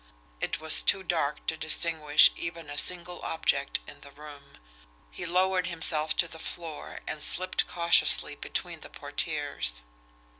It was too dark to distinguish even a single object in the room. He lowered himself to the floor, and slipped cautiously between the portieres.